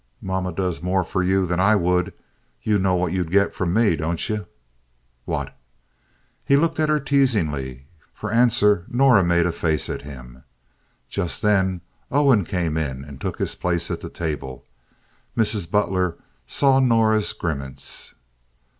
"Mama does more for you than I would. You know what you'd get from me, don't you?" "What?" He looked at her teasingly. For answer Norah made a face at him. Just then Owen came in and took his place at the table. Mrs. Butler saw Norah's grimace.